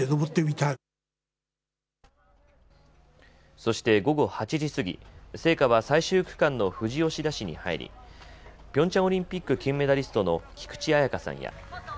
そして午後８時過ぎ、聖火は最終区間の富士吉田市に入り、ピョンチャンオリンピック金メダリストの菊池彩花さんや。